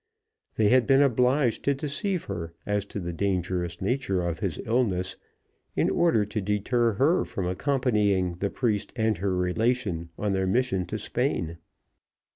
They had been obliged to deceive her as to the dangerous nature of his illness in order to deter her from accompanying the priest and her relation on their mission to Spain.